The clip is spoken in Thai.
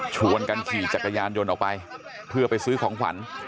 ชวนกันขี่จักรยานยนต์ออกไปเพื่อไปซื้อของขวัญ